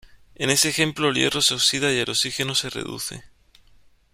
En ese ejemplo, el hierro se oxida y el oxígeno se reduce.